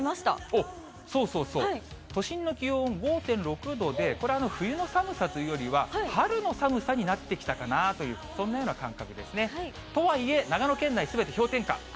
おっ、そうそうそう、都心の気温、５．６度で、これは冬の寒さというよりは、春の寒さになってきたかなという、そんなような感覚ですね。とはいえ、長野県内、すべて氷点下。